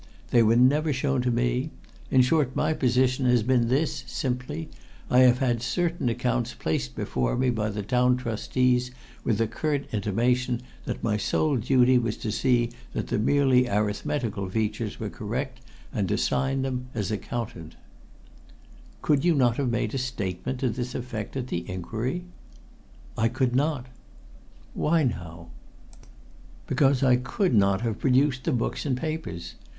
They were never shown to me. In short, my position has been this, simply, I have had certain accounts placed before me by the Town Trustees with the curt intimation that my sole duty was to see that the merely arithmetical features were correct and to sign them as accountant." "Could you not have made a statement to this effect at the inquiry?" "I could not!" "Why, now?" "Because I could not have produced the books and papers.